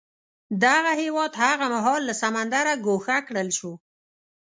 دغه هېواد هغه مهال له سمندره ګوښه کړل شو.